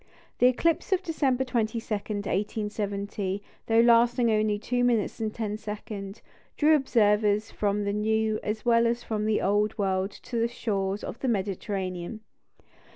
The eclipse of December 22, 1870, though lasting only two minutes and ten seconds, drew observers from the New, as well as from the Old World to the shores of the Mediterranean.